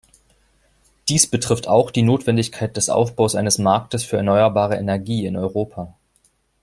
Dies betrifft auch die Notwendigkeit des Aufbaus eines Marktes für erneuerbare Energie in Europa.